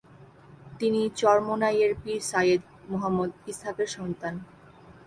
তিনি চরমোনাই-এর পীর সাইয়েদ মুহাম্মদ ইসহাকের সন্তান।